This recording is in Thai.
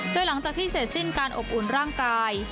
โดยหลังจากที่เสร็จสิ้นการอบอุ่นร่างกาย